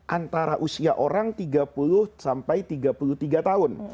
antara usia orang tiga puluh sampai tiga puluh tiga tahun